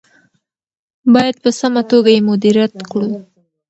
باید په سمه توګه یې مدیریت کړو.